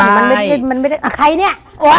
อ้าวใครเนี่ย